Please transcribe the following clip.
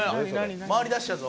回りだしたぞ。